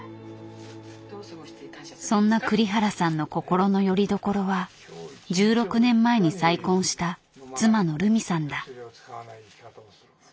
そんな栗原さんの心のよりどころは１６年前に再婚した妻のルミさんだ。